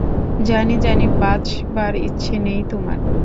জানি, জানি বাঁচবার ইচ্ছে নেই তোমার।